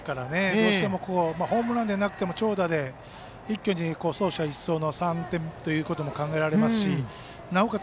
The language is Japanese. どうしてもホームランでなくても長打で一挙に走者一掃の３点ということも考えられますしなおかつ